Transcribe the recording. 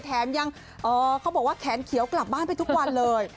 แถมยังเขาบอกว่าแขนเขียวกลับบ้านไปทุกวันเลย